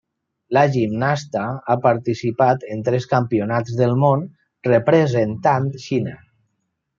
La gimnasta ha participat en tres campionats del Món representant Xina.